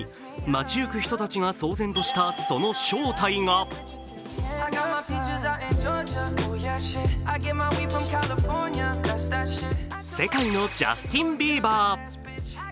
街行く人たちが騒然としたその正体が世界のジャスティン・ビーバー。